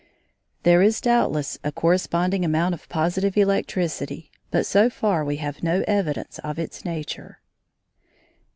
There is doubtless a corresponding amount of positive electricity, but so far we have no evidence of its nature.